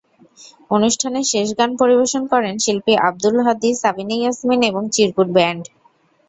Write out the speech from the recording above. অনুষ্ঠানের শেষে গান পরিবেশন করেন শিল্পী আব্দুল হাদী, সাবিনা ইয়াসমীন এবং চিরকুট ব্যান্ড।